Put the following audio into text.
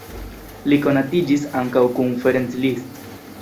Li konatiĝis ankaŭ kun Ferenc Liszt.